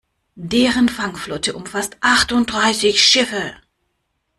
Deren Fangflotte umfasst achtunddreißig Schiffe.